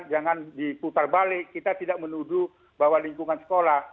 jangan diputar balik kita tidak menuduh bahwa lingkungan sekolah